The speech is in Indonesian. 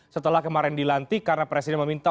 setelah kemarin dilantik karena presiden meminta